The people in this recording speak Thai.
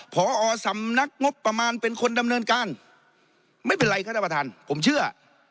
พอสำนักงบประมาณเป็นคนดำเนินการไม่เป็นไรครับท่านประธานผมเชื่อ